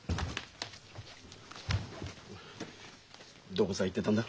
どこさ行ってたんだ？